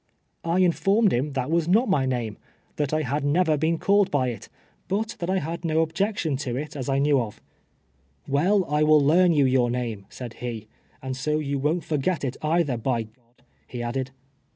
I informed him that was not mj name ; that I had never been called by it, but that I had no objection to it as I knew of " Well, I Avill learn you your name," said lie ;" and 60 you won't forget it either, by ," he added.